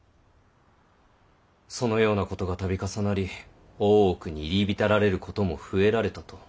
そのようなことが度重なり大奥に入り浸られることも増えられたと。